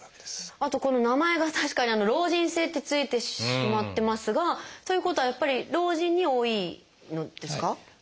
あとこの名前が確かに「老人性」って付いてしまってますがということはやっぱり老人に多いのですか？